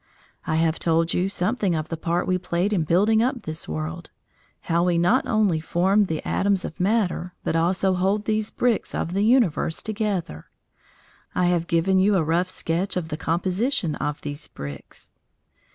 I have told you something of the part we played in building up this world how we not only form the atoms of matter, but also hold these bricks of the universe together. I have given you a rough sketch of the composition of these bricks.